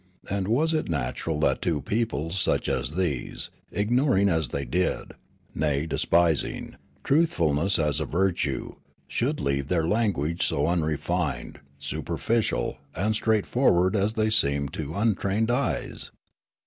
" And was it natural that two peoples such as these, ignoring, as they did, nay de spising, truthfulness as a virtue, should leave their lan guage so unrefined, superficial, and straightforward as they seemed to untrained eyes?